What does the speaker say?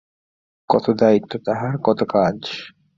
কত দায়িত্ব তাহার, কত কাজ।